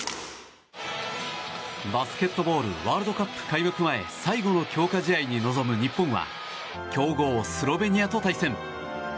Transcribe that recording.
バスケットボールワールドカップ開幕前最後の強化試合に臨む日本は強豪スロベニアと対戦。